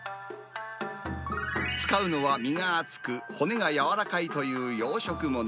使うのは身が厚く、骨が柔らかいという養殖物。